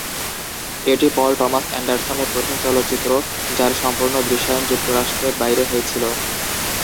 এটি Paul Thomas অ্যান্ডারসনের প্রথম চলচ্চিত্র, যার সম্পূর্ণ দৃশ্যায়ন যুক্তরাষ্ট্রের বাইরে হয়েছিল।